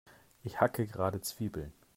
Ich hacke gerade Zwiebeln.